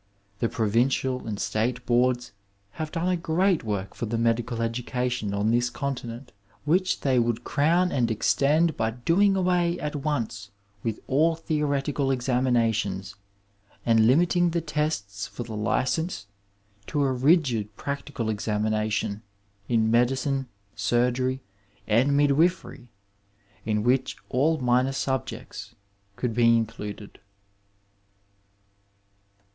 The Provincial and State Boards have done a great work for medical education on this continent, which they would crown and extend by doing away at once with all theoretical examinations and limiting the tests for the license to a rigid practical examination in medicine, surgery, and midwifery, in which all minor subjects could be included.